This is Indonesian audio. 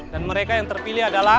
dan mereka yang terpilih adalah